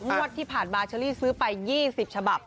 งวดที่ผ่านมาเชอรี่ซื้อไป๒๐ฉบับ